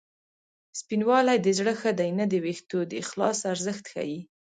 سپینوالی د زړه ښه دی نه د وېښتو د اخلاص ارزښت ښيي